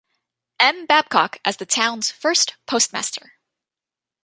M. Babcock as the town's first postmaster.